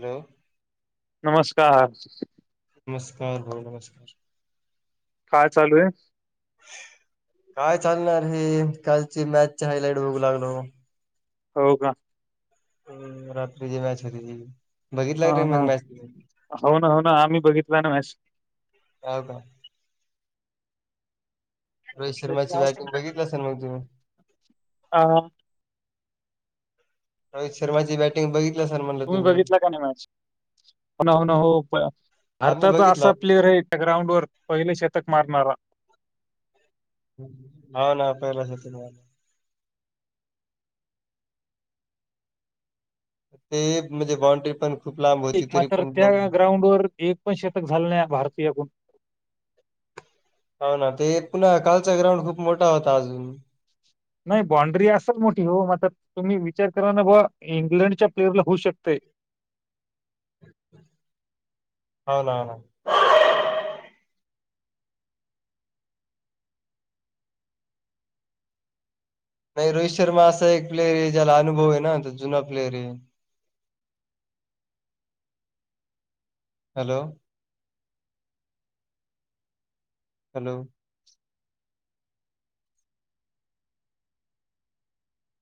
Hello. नमस्कार. नमस्कार भाऊ नमस्कार. काय चालू आहे? काय चालणार आहे कालची मॅचची हाय लाईट बघू लागलो. हो का? हम्म रात्री जी मॅच होती ती-‍- हा हा हो ना हो ना आम्ही बघितलं ना मॅच [unintelligible] रोहित शर्माची बाटिगं तुम्ही बघितलासा नव्हं असेल मग तुम्ही ह. रोहित शर्माची बॅटिंग बघितलं सर म्हणलं तुम्ही? होणा हो ना हो आम्ही भारताचा बघितला असा प्लेअर आहे. ग्राउंड वर पहिले शतक मारणारा. हो ना पहिलाच शतक मारणारा. हे म्हणजे बॉण्ड्री पण खूप लांब एक होती तरी मात्र पण त्या ते ग्राउंड वर एक पण शतक झालं नाही भारतीयाकून हो ना ते पुन्हा कालचा ग्राउंड खूप मोठा होता अजून नाही बाॉ्ड्री असल मोठी हो म आता तुम्ही विचार करा ना बा इंग्लंडच्या प्लेयरला होऊ शकते. होन ना. नाही रोहित शर्मा असा एक प्लेअर आहे ज्याला अनुभव आहे ना जुना प्लेअर आहे. हॅलो. हॅलो.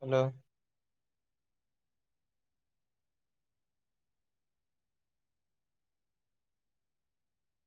हॅलो.